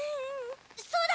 そうだ！